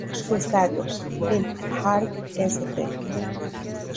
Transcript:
Su estadio, el Parc St.